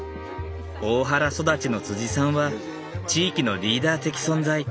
大原育ちのさんは地域のリーダー的存在。